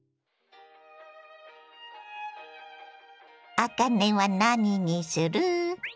あかねは何にする？